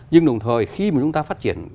nhưng đồng thời khi mà chúng ta phát triển